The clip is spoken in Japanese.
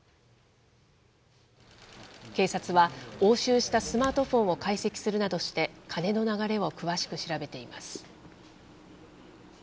警察は、押収したスマートフォンを解析するなどして、金の流れを詳しく調べています。